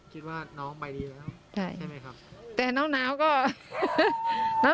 คิดว่าน้องไปดีแล้วใช่ไหมครับ